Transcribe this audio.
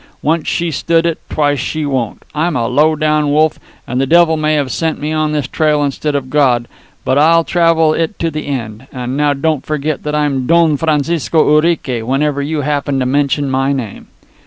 Once she stood it; twice she won't. I'm a low down wolf, and the devil may have sent me on this trail instead of God, but I'll travel it to the end. And now, don't forget that I'm Don Francisco Urique whenever you happen to mention my name."